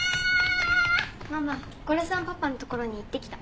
ママゴロさんパパのところに行ってきた。